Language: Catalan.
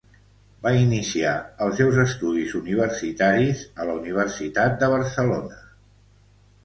Va iniciar els seus estudis universitaris a la Universitat de Barcelona.